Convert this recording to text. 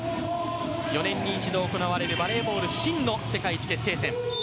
４年に１度行われるバレーボール、世界一決定戦。